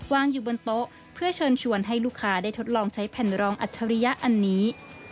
วางอยู่บนโต๊ะเพื่อเชิญชวนให้ลูกค้าได้ทดลองใช้แผ่นรองอัจฉริยะอันนี้